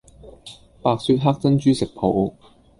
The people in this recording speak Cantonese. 白雪黑珍珠食譜